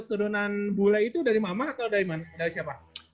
turunan bule itu dari mamah atau dari siapa